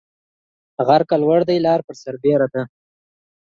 غر که لوړ دى ، لار پر سر بيره ده.